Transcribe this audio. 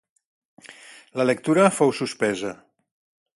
La lectura fou suspesa.